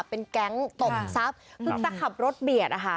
เป็นแกรงกรรมซับถ้าขับรถเบียดอะฮะ